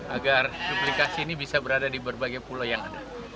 agar duplikasi ini bisa berada di berbagai pulau yang ada